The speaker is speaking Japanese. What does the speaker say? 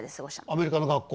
アメリカの学校？